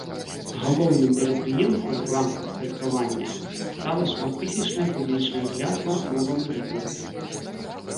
Галоўным мерапрыемствам у рамках святкавання стала шматтысячная публічная клятва новаму лідару.